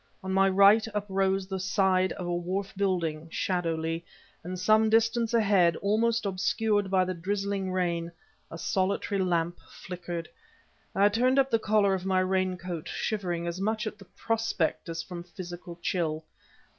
On my right uprose the side of a wharf building, shadowly, and some distance ahead, almost obscured by the drizzling rain, a solitary lamp flickered. I turned up the collar of my raincoat, shivering, as much at the prospect as from physical chill.